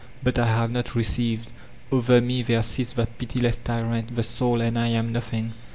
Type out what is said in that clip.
But I have not received. Over me there sits that piti less tyrant, the Soul; and I am nothing.